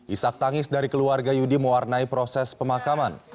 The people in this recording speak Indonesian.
isak tangis dari keluarga yudi mewarnai proses pemakaman